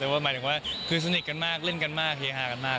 แต่ว่าหมายถึงว่าคือสนิทกันมากเล่นกันมากเฮฮากันมาก